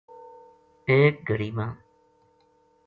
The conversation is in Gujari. ایک گھڑی ما